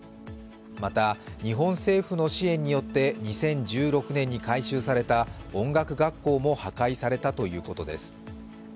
また、日本政府の支援によって２０１６年に改修された音楽学校も破壊されたということです。